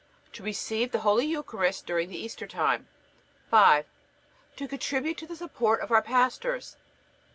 To receive the Holy Eucharist during the Easter time. 5. To contribute to the support of our pastors. 6.